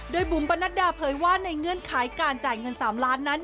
โดยบุ๋มปนัดดาเผยว่าในเงื่อนไขการจ่ายเงิน๓ล้านนั้น